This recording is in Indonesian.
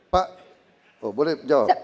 pak boleh jawab